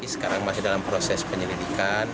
sekarang masih dalam proses penyelidikan